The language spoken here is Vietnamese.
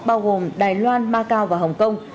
bao gồm đài loan macau và hồng kông